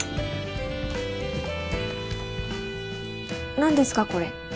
なんですかこれ？